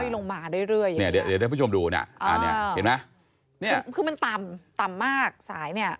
ลงมาด้วยเรื่อยนี่เดี๋ยวได้ผู้ชมดูน่ะอันนี้เห็นไหมคือมันต่ำต่ำมากสายเนี่ย